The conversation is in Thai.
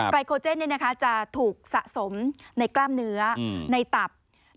ไรโคเจนจะถูกสะสมในกล้ามเนื้อในตับ